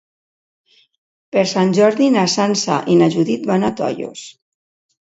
Per Sant Jordi na Sança i na Judit van a Tollos.